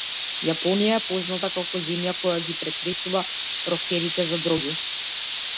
Јапонија е позната како земја која ги претресува рокерите за дроги.